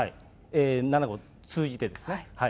７号を通じてですね。